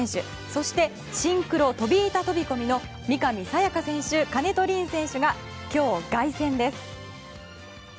そして、シンクロ飛板飛込の三上紗也可選手、金戸凜選手が今日、凱旋です。